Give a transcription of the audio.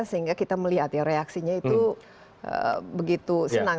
sehingga kita melihat ya reaksinya itu begitu senang